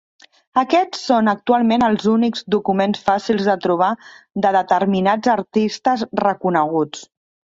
Aquests són actualment els únics documents fàcils de trobar de determinats artistes reconeguts.